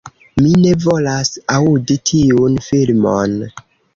Mi ne volas aŭdi tiun filmon!